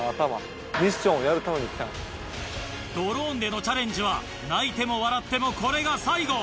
ドローンでのチャレンジは泣いても笑ってもこれが最後。